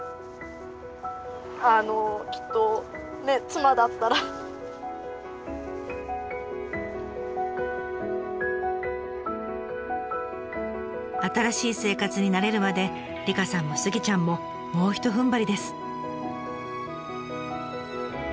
すごいそうあのまあ新しい生活に慣れるまで梨香さんもスギちゃんももうひとふんばりです。